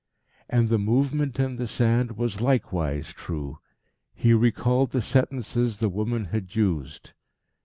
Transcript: And the movement in the sand was likewise true. He recalled the sentences the woman had used.